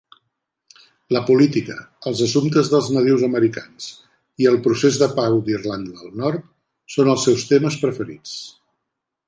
La política, els assumptes dels nadius americans i el procés de pau d'Irlanda del Nord són els seus temes preferits.